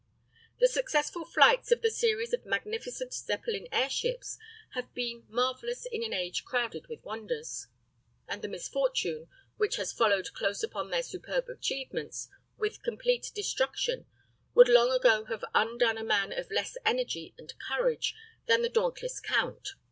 The successful flights of the series of magnificent Zeppelin airships have been marvellous in an age crowded with wonders. And the misfortune which has followed close upon their superb achievements with complete destruction would long ago have undone a man of less energy and courage than the dauntless Count.